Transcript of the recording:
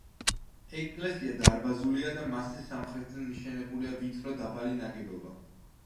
ეკლესია დარბაზულია და მასზე სამხრეთიდან მიშენებულია ვიწრო დაბალი ნაგებობა.